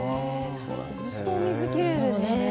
本当にお水きれいでしたね。